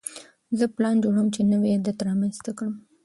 زه پلان جوړوم چې نوی عادت رامنځته کړم.